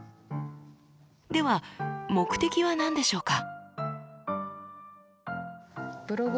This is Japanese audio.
では目的は何でしょうか？